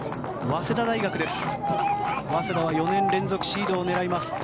早稲田は４年連続シードを狙います。